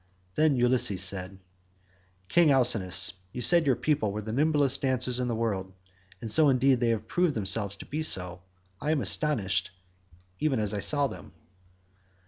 Then Ulysses said: "King Alcinous, you said your people were the nimblest dancers in the world, and indeed they have proved themselves to be so. I was astonished as I saw them."